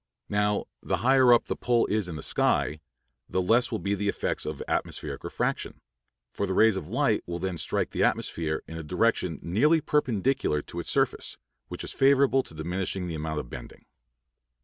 Now, the higher up the pole is in the sky, the less will be the effects of atmospheric refraction; for the rays of light will then strike the atmosphere in a direction nearly perpendicular to its surface, which is favorable to diminishing the amount of bending.